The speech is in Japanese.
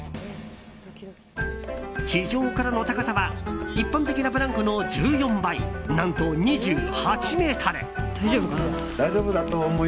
地上からの高さは一般的なブランコの１４倍何と２８ｍ。